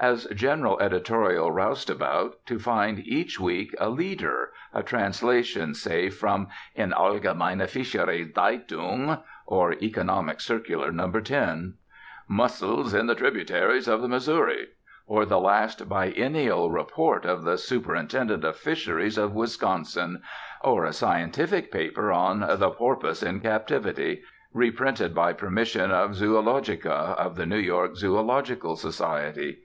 As general editorial roustabout, to find each week a "leader," a translation, say, from In Allgemeine Fishcherei Zeitung, or Economic Circular No. 10, "Mussels in the Tributaries of the Missouri," or the last biennial report of the Superintendent of Fisheries of Wisconsin, or a scientific paper on "The Porpoise in Captivity" reprinted by permission of Zoologica, of the New York Zoölogical Society.